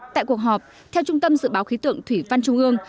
tại cuộc họp theo trung tâm dự báo khí tượng thủy văn trung ương